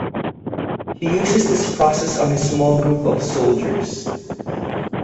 He uses this process on his small group of soldiers.